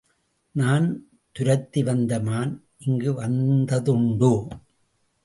நான் துரத்தி வந்த மான் இங்கு வந்ததுண்டோ?